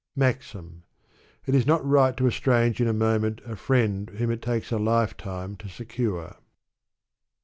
It is not right to estrange in a moment a friend whom it takes a lifetime to secure.